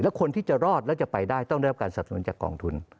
คนที่จะรอดแล้วจะไปได้ต้องได้รับการสับสนุนจากกองทุน